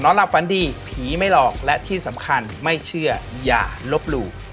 หลับฝันดีผีไม่หลอกและที่สำคัญไม่เชื่ออย่าลบหลู่